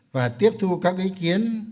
và tiếp thu các ý kiến